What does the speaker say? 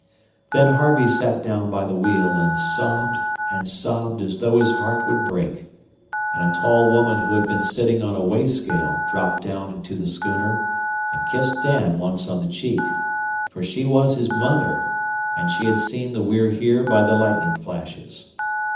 Then Harvey sat down by the wheel, and sobbed and sobbed as though his heart would break, and a tall woman who had been sitting on a weigh scale dropped down into the schooner and kissed Dan once on the cheek; for she was his mother, and she had seen the We're Here by the lightning flashes.